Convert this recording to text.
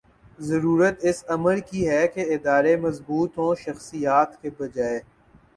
ضرورت اس امر کی ہے کہ ادارے مضبوط ہوں ’’ شخصیات ‘‘ کی بجائے